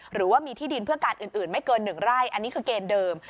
หรือว่ามีที่ดินเพื่อการอื่นไม่เกิน๑ไร่อันนี้คือเกณฑ์เดิม